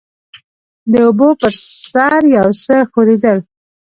د اوبو پر سر يو څه ښورېدل.